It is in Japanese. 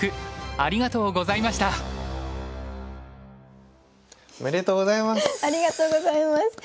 ありがとうございます！